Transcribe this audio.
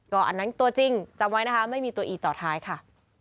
อันนั้นตัวจริงจำไว้นะคะไม่มีตัวอีต่อท้ายค่ะ